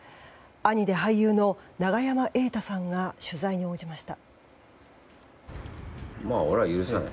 兄で俳優の永山瑛太さんが取材に応じました。